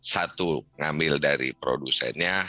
satu ngambil dari produsennya